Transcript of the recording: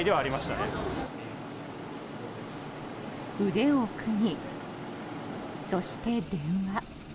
腕を組み、そして電話。